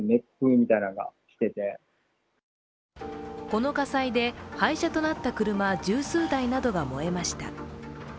この火災で廃車となった車十数台などが燃えました。